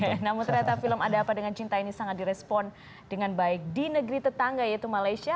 oke namun ternyata film ada apa dengan cinta ini sangat direspon dengan baik di negeri tetangga yaitu malaysia